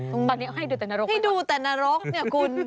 ตอนนี้ให้ดูแต่นรกหรือเปล่าให้ดูแต่นรกเนี่ยคุณ